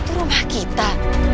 itu rumah kita